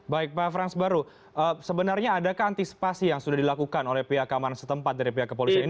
baik pak frans baru sebenarnya adakah antisipasi yang sudah dilakukan oleh pihak keamanan setempat dari pihak kepolisian